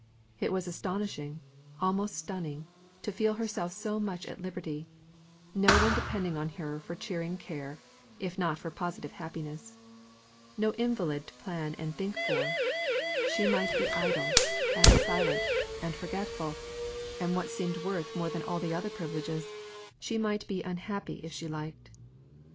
It was astonishing, almost stunning, to feel herself so much at liberty; no one depending on her for cheering care, if not for positive happiness; no invalid to plan and think for; she might be idle, and silent and forgetful, and what seemed worth more than all the other privileges she might be unhappy if she liked.